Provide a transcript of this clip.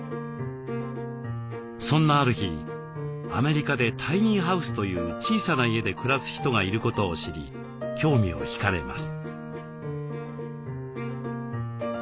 そんなある日アメリカでタイニーハウスという小さな家で暮らす人がいることを知り興味を引かれます。